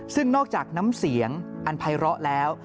ซึ่งนอกจากน้ำเสียงอันภัยเลาะแล้ว